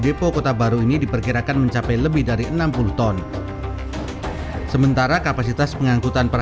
depo kota baru ini diperkirakan mencapai lebih dari enam puluh ton sementara kapasitas pengangkutan para